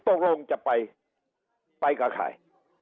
ตกลงจะไปไปกระขาย